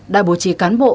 đài bố trí cán bộ